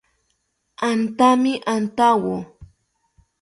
Antami antawo